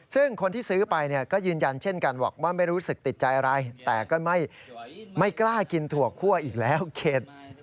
ซึ่งคนที่ซื้อไปก็ยืนยันเช่นกันบอกว่าไม่รู้สึกติดใจอะไรแต่ก็ไม่กล้ากินถั่วคั่วอีกแล้วเข็ด